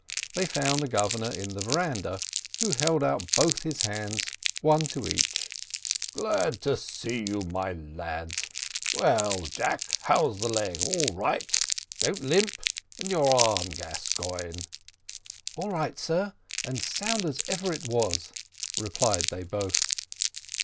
They found the Governor in the veranda, Who held out both his hands, one to each. "Glad to see you, my lads. Well, Jack, how's the leg, all right? don't limp. And your arm, Gascoigne?" "All right, sir, and as sound as ever it was," replied they both.